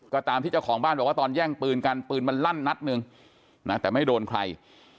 ก็ตามที่เจ้าของบ้านบอกว่าตอนแย่งปืนกันปืนมันลั่นนัดหนึ่งนะแต่ไม่โดนใคร